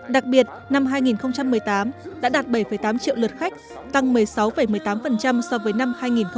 đặc biệt năm hai nghìn một mươi tám đã đạt bảy tám triệu lượt khách tăng một mươi sáu một mươi tám so với năm hai nghìn một mươi bảy